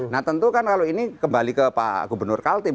nah tentu kan kalau ini kembali ke pak gubernur kaltim